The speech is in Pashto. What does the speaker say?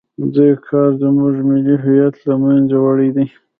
دې کار زموږ ملي هویت له منځه وړی دی.